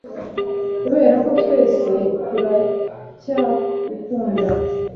kuberako twese turacyagukunda